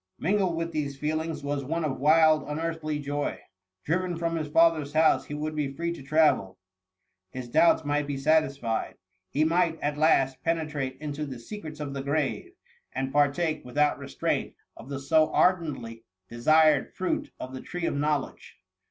Mingled with these feelings, was one of wild, unearthly joy. Driven from his father^s house, he would be free to travel — his doubts might be satisfied — ^he might, at last, penetrate into the secrets of the grave; and partake, without restraint, of the so ardently THE MUMMY. 87 desired fruit of the tree of knowledge.